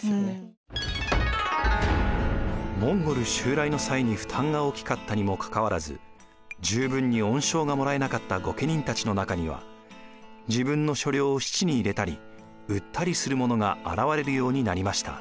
モンゴル襲来の際に負担が大きかったにもかかわらず十分に恩賞がもらえなかった御家人たちの中には自分の所領を質に入れたり売ったりする者が現れるようになりました。